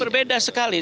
memang berbeda sekali